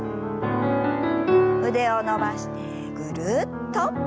腕を伸ばしてぐるっと。